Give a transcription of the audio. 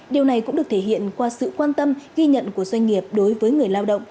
điều này cũng được thể hiện qua sự quan tâm ghi nhận của doanh nghiệp đối với người lao động